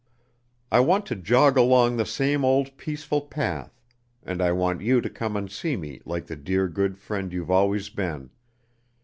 I want to jog along the same old peaceful path and I want you to come and see me like the dear good friend you've always been.